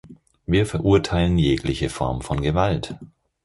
Wir verurteilen jegliche Form von Gewalt.